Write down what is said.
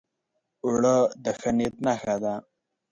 اوړه د ښه نیت نښه ده